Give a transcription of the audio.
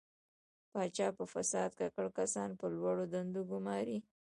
پاچا په فساد ککړ کسان په لوړو دندو ګماري.